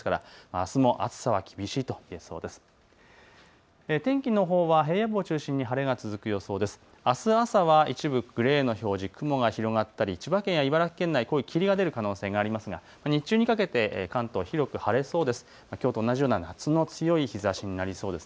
あす朝は一部グレーの表示、雲が広がったり千葉県や茨城県内、濃い霧が出る可能性がありますが日中にかけて関東、広く晴れそうです。